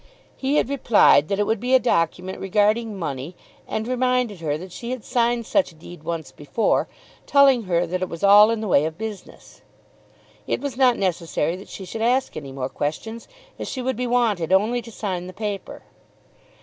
He had replied that it would be a document regarding money and reminded her that she had signed such a deed once before, telling her that it was all in the way of business. It was not necessary that she should ask any more questions as she would be wanted only to sign the paper.